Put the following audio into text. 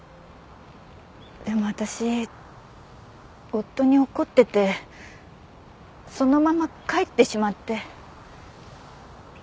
でも私夫に怒っててそのまま帰ってしまって。